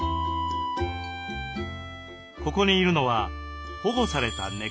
ここにいるのは保護された猫。